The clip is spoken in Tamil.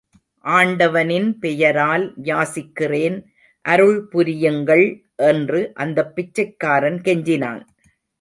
ஆண்டவனின் பெயரால் யாசிக்கிறேன், அருள் புரியுங்கள்! என்று அந்தப் பிச்சைக்காரன் கெஞ்சினான்!